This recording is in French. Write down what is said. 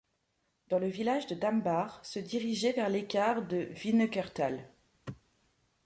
Dans le village de Dambach, se diriger vers l'écart de Wineckerthal.